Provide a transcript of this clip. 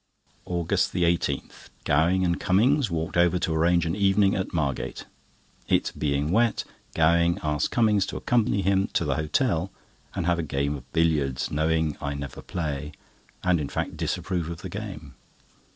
AUGUST 18.—Gowing and Cummings walked over to arrange an evening at Margate. It being wet, Gowing asked Cummings to accompany him to the hotel and have a game of billiards, knowing I never play, and in fact disapprove of the game.